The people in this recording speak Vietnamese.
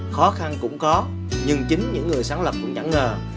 khó khăn cũng có nhưng chính những người sáng lập cũng chẳng ngờ